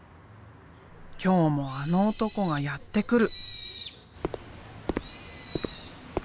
今日もあの男がやって来る。